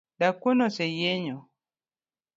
Dakwuon oseyienyo